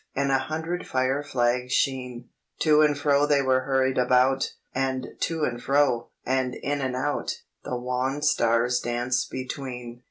And a hundred fire flags' sheen, To and fro they were hurried about! And to and fro, and in and out, The wan stars danced between.